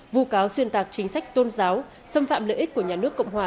vụ cáo xuyên tạc chính sách tôn giáo xâm phạm lợi ích của nhà nước cộng hòa